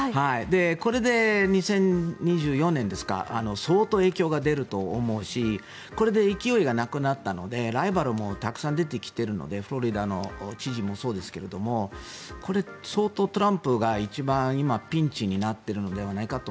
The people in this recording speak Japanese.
これで２０２４年ですか相当、影響が出ると思うしこれで勢いがなくなったのでライバルもたくさん出てきているのでフロリダの知事もそうですけどもこれ、相当トランプが一番今ピンチになっているのではないかと。